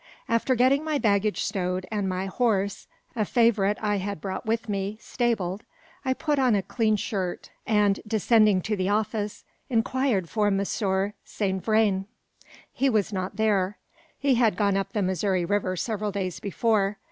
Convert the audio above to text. After getting my baggage stowed and my horse (a favourite I had brought with me) stabled, I put on a clean shirt, and, descending to the office, inquired for Monsieur Saint Vrain. He was not there. He had gone up the Missouri river several days before.